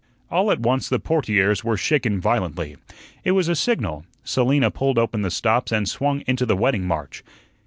All at once the portieres were shaken violently. It was a signal. Selina pulled open the stops and swung into the wedding march.